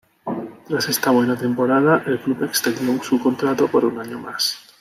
Tras esta buena temporada, el club extendió su contrato por un año más.